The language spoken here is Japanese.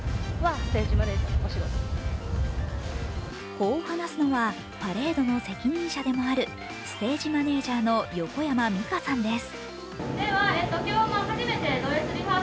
こう話すのは、パレードの責任者でもあるステージマネージャーの横山美加さんです。